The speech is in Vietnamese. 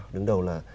đứng đầu là